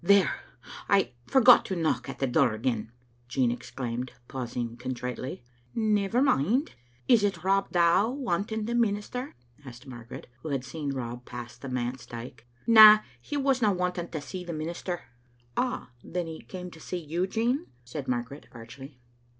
" There! I forgot to knock at the door again," Jean exclaimed, pausing contritely. " Never mind. Is it Rob Dow wanting the minister?" asked Margaret, who had seen Rob pass the manse dyke. " Na, he wasna wanting to see the minister." " Ah, then, he came to see you, Jean," said Margaret, archly.